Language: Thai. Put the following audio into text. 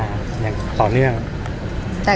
ภาษาสนิทยาลัยสุดท้าย